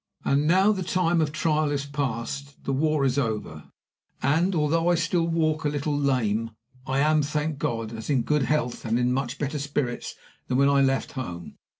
"And now the time of trial is past; the war is over; and, although I still walk a little lame, I am, thank God, in as good health and in much better spirits than when I left home.